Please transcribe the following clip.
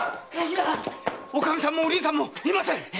おかみさんもお凛さんもいません！